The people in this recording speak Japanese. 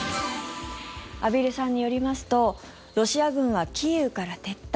畔蒜さんによりますとロシア軍はキーウから撤退